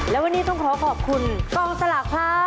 และวันนี้ต้องขอขอบคุณกองสลากครับ